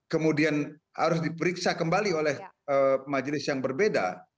kemudian harus diperiksa kembali oleh majelis yang berbeda